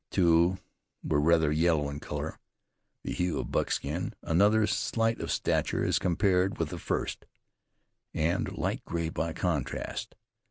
Two were rather yellow in color, the hue of buckskin; another, slight of stature as compared with the first, and light gray by contrast.